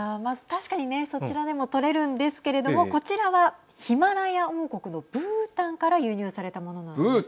確かにそちらでも採れるんですけれどもこちらは、ヒマラヤ王国のブータンから輸入されたものなんです。